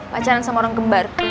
pacaran sama orang kembar